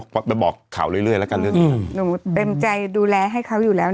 ก็ไปบอกข่าวเรื่อยแล้วกันเรื่องนี้หนูเต็มใจดูแลให้เขาอยู่แล้ว